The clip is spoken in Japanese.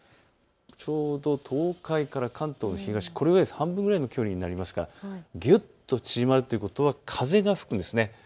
ちょうど東海から関東の東半分ぐらいの距離になりますから、ぎゅっとちぢまるということは風が吹くんです。